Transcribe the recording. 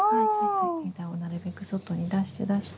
枝をなるべく外に出して出して。